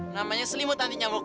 namanya selimut tanti nyamuk